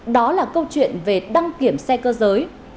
đó là câu chuyện về đăng kiểm xe cơ giới